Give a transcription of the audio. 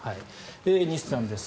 西さんです。